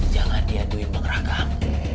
jangan dia duit bang ragam